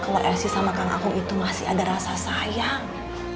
kalau esi sama kang akum itu masih ada rasa sayang